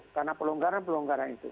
karena pelonggaran pelonggaran itu